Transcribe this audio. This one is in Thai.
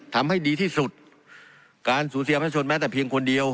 ทำให้ดีที่สุดการสูญเสียประชาชนแม้แต่เพียงคนเดียว